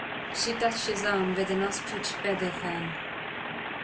She touched his arm with an ostrich feather fan.